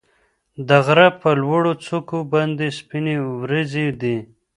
د غره په لوړو څوکو باندې سپینې وريځې دي.